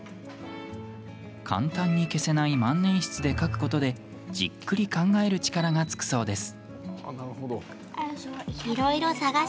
簡単に消せない万年筆で書くことでじっくり考える力がつくそうです。